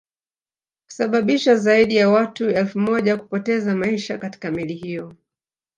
kusababisha zaidi ya watu elfu moja kupoteza maisha katika Meli hiyo